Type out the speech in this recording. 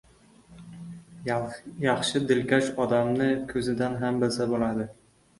Yaxshi, dilkash odamni ko‘zidan ham bilsa bo‘ladi.